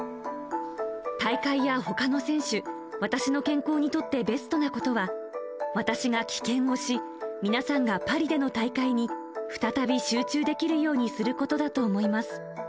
大会やほかの選手、私の健康にとってベストなことは、私が棄権をし、皆さんがパリでの大会に再び集中できるようにすることだと思います。